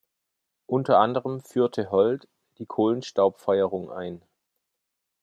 Unter anderem führte Hold die Kohlenstaubfeuerung ein.